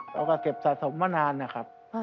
เราก็เก็บสะสมมานานนะครับ